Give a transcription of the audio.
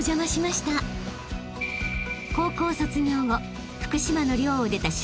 ［高校卒業後福島の寮を出た駿君］